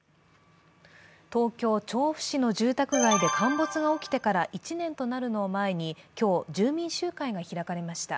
東京・調布市の住宅街で陥没が起きてから１年となるのを前に今日、住民集会が開かれました。